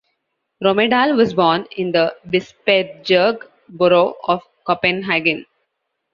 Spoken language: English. Rommedahl was born in the Bispebjerg borough of Copenhagen.